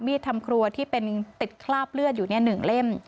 มีดทำครัวที่เป็นติดคราบเลือดอยู่ในหนึ่งเล่ม